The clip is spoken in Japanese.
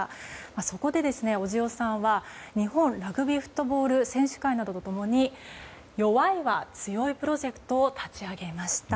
そこで小塩さんは日本ラグビーフットボール選手会などと共によわいはつよいプロジェクトを立ち上げました。